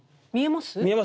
見えます？